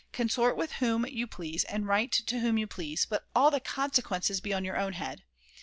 Consort with whom you please and write to whom you please; but all the consequences be on your own head.